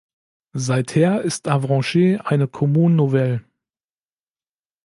Seither ist Avranches eine Commune nouvelle.